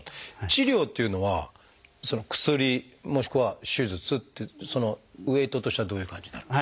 治療っていうのは薬もしくは手術ってウエイトとしてはどういう感じになる？